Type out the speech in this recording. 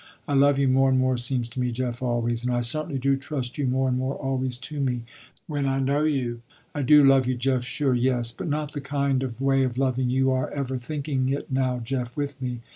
I love you more and more seems to me Jeff always, and I certainly do trust you more and more always to me when I know you. I do love you Jeff, sure yes, but not the kind of way of loving you are ever thinking it now Jeff with me.